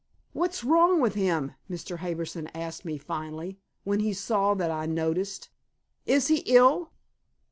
"What's wrong with him?" Mr. Harbison asked me finally, when he saw that I noticed. "Is he ill?"